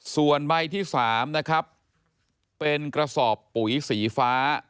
ส่วนใบที่๓นะครับเป็นกระสอบปุ๋ยสีฟ้า